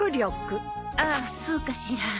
ああそうかしら。